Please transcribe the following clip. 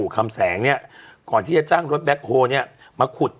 คำแสงเนี่ยก่อนที่จะจ้างรถแบ็คโฮเนี่ยมาขุด